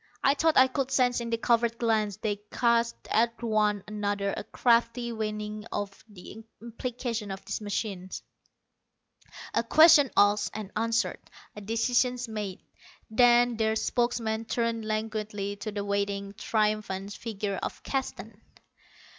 I thought I could sense in the covert glances they cast at one another a crafty weighing of the implications of this machine; a question asked and answered; a decision made. Then their spokesman turned languidly to the waiting, triumphant figure of Keston.